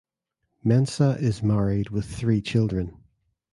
Mensah is married with three children.